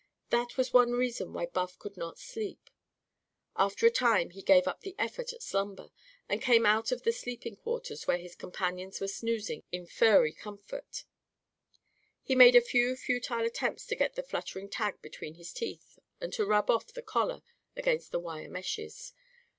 That was one reason why Buff could not sleep. After a time he gave up the effort at slumber, and came out of the sleeping quarters where his companions were snoozing in furry comfort. He made a few futile attempts to get the fluttering tag between his teeth and to rub off the collar against the wire meshes.